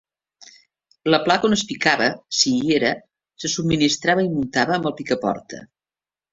La placa on es picava, si hi era, se subministrava i muntava amb el picaporta.